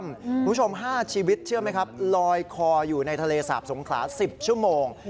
คุณผู้ชม๕ชีวิตเชื่อไหมครับลอยคออยู่ในทะเลสาบสงขลา๑๐ชั่วโมง